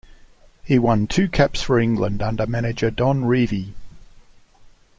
He won two caps for England under manager Don Revie.